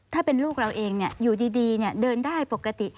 ถ้าเป็นลูกเราเองอยู่ดีเดินได้ปกติ